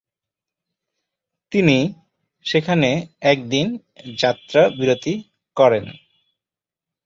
তিনি সেখানে একদিন যাত্রা বিরতি করেন।